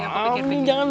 malam nih jangan